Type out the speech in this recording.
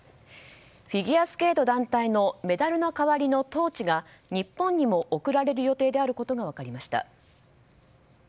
フィギュアスケート団体のメダルの代わりのトーチが日本にも贈られる予定であることが分かりました。